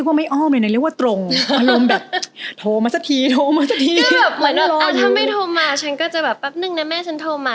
ก็แบบอะถ้าไม่โทรมาฉันก็จะแบบแป๊บหนึ่งนะแม่ฉันโทรมา